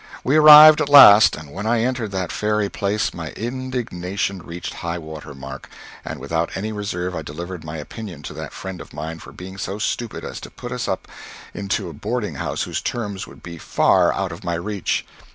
We arrived at last, and when I entered that fairy place my indignation reached high water mark, and without any reserve I delivered my opinion to that friend of mine for being so stupid as to put us into a boarding house whose terms would be far out of my reach.